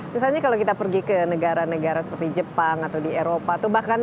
misalnya kalau kita pergi ke negara negara seperti jepang atau di eropa atau bahkan